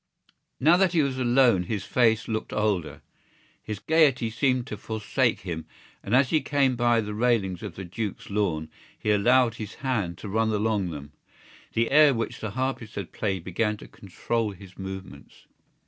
Now that he was alone his face looked older. His gaiety seemed to forsake him and, as he came by the railings of the Duke's Lawn, he allowed his hand to run along them. The air which the harpist had played began to control his movements.